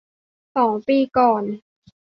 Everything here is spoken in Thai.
สองปีก่อน